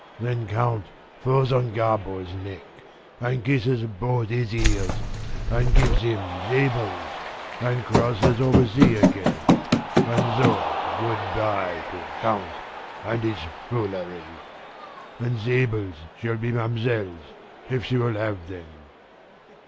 Then count falls on Gabord's neck, and kisses both his ears, and gives him sables, and crosses oversea again; and so good bye to count and his foolery. And sables shall be ma'm'selle's, if she will have them."